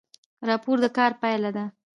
راپور د کار پایله ده